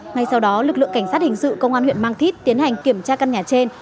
ngay sau đó lực lượng cảnh sát hình sự công an huyện mang thít tiến hành kiểm tra căn nhà trên